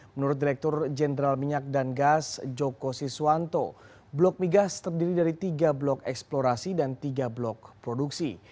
menurut direktur jenderal minyak dan gas joko siswanto blok migas terdiri dari tiga blok eksplorasi dan tiga blok produksi